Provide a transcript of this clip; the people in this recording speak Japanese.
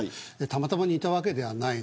たまたま似たわけではない。